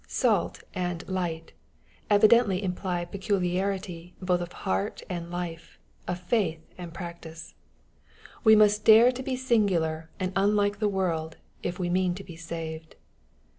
" Bait" and " light " evidently imply peculiarity both of heart and life, of faith and practice. We must dare to be singular and unlike the world, if we mean to be saved.